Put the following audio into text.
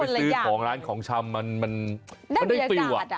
เมื่อไปซื้อของร้านของชำมันมันได้ฟิวอ่ะ